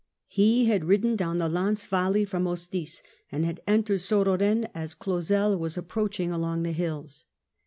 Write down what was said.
He had ridden down the Lanz valley from Ostiz, and had entered Sauroren as Clausel was ap proaching along the hills.